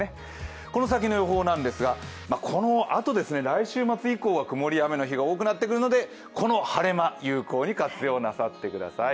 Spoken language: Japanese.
この先の予報ですがこのあと、来週末以降は曇りや雨の日が多くなってくるのでこの晴れ間、有効に活用なさってください。